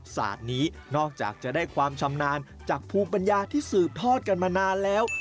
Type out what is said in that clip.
ศาสตร์นี้นอกจากจะได้ความชำนาญจากภูมิปัญญาที่สืบทอดกันมานานแล้ว